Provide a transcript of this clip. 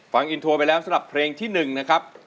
ฟังอินโทรไปแล้วสำหรับเพลงที่๑นะครับ